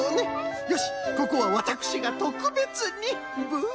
よしここはわたくしがとくべつにぶん。